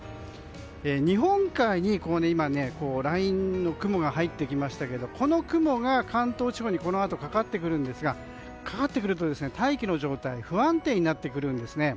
日本海にライン状の雲が入ってきましたけどこの雲が、関東地方にこのあとかかってくるんですがかかってくると大気の状態が不安定になってくるんですね。